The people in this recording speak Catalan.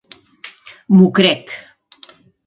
M'ho crec.